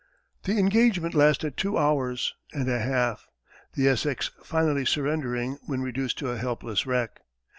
The engagement lasted two hours and a half, the Essex finally surrendering when reduced to a helpless wreck.